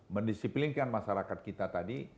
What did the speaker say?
mendisiplinkan masyarakat kita tadi